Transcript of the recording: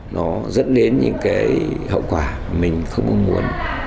nó dẫn đến những cái hậu quả mình không mong muốn